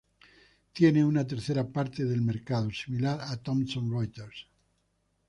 Tiene una tercera parte del mercado, similar a Thomson Reuters.